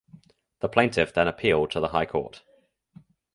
The plaintiff then appealed to the High Court.